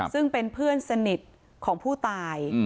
ซึ่งเป็นเพื่อนสนิทของผู้ตาย